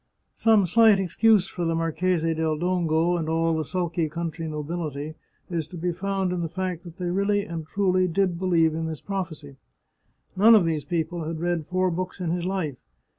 Some slight excuse for the Marchese del Dongo and all the sulky country nobility is to be found in the fact that they really lO The Chartreuse of Parma and truly did believe in this prophecy. None of these people had read four books in his life.